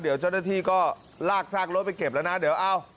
เดี๋ยวเจ้าหน้าที่ก็ลากซากรถไปเก็บแล้วนะเดี๋ยวเอ้า